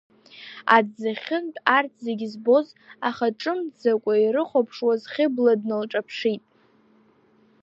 Аҭӡахьынтә арҭ зегь збоз, аха ҿымҭӡакәа ирыхәаԥшуаз Хьыбла дналҿаԥшит.